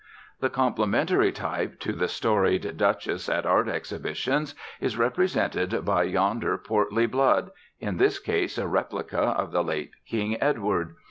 The complimentary type to the storied Duchess at art exhibitions is represented by yonder portly blood, in this case a replica of the late King Edward.